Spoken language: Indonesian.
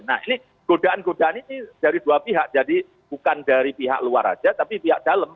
nah ini godaan godaan ini dari dua pihak jadi bukan dari pihak luar saja tapi pihak dalam